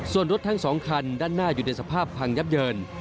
ส่วนรถทั้ง๒คันด้านหน้าอยู่ในสภาพพังยับเยิน